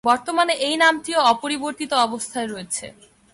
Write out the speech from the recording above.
বর্তমানে এই নামটিও অপরিবর্তিত অবস্থায় রয়েছে।